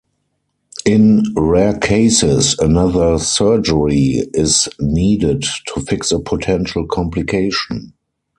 In rare cases, another surgery is needed to fix a potential complication.